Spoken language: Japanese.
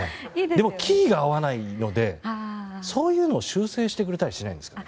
でもキーが合わないのでそういうのを修正してくれたりしないんですか？